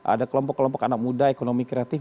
ada kelompok kelompok anak muda ekonomi kreatif